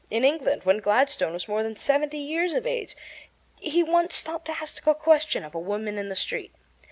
In England, when Gladstone was more than seventy years of age, he once stopped to ask a question of a woman in the street.